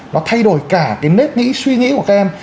nó thay đổi cả cái nếp nghĩ suy nghĩ của các em